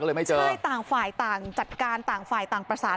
ก็เลยไม่เจอใช่ต่างฝ่ายต่างจัดการต่างฝ่ายต่างประสาน